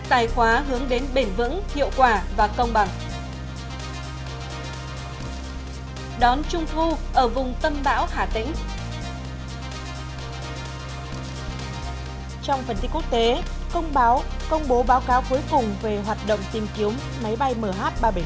trong phần tin quốc tế công báo công bố báo cáo cuối cùng về hoạt động tìm kiếm máy bay mh ba trăm bảy mươi hai